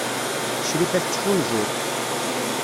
Crifa ad tettfunzur.